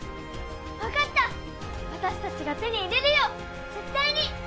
わかった私たちが手に入れるよ絶対に！